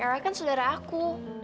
erah kan saudara aku